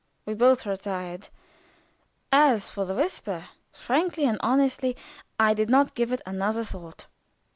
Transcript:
We both retired. As for the whisper, frankly and honestly, I did not give it another thought.